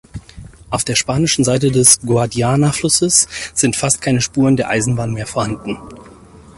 Auf der spanischen Seite des Guadiana-Flusses sind fast keine Spuren der Eisenbahn mehr vorhanden.